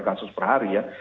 kasus per hari ya